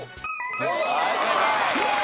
はい正解。